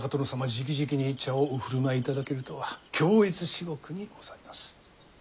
じきじきに茶をお振る舞いいただけるとは恐悦至極にございます。